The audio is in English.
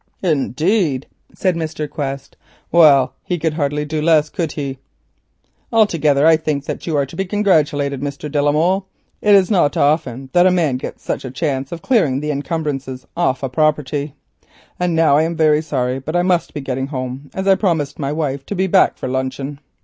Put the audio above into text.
"Indeed," said Mr. Quest; "well, he could hardly do less, could he? Altogether, I think you ought to be congratulated, Mr. de la Molle. It is not often that a man gets such a chance of clearing the encumbrances off a property. And now I am very sorry, but I must be getting home, as I promised my wife to be back for luncheon.